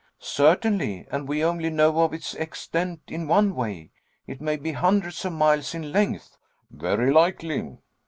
"Certainly, and we only know of its extent in one way. It may be hundreds of miles in length." "Very likely."